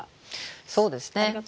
そうですね。